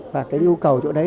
và cái nhu cầu chỗ đấy